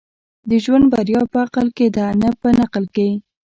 د ژوند بريا په عقل کي ده، نه په نقل کي.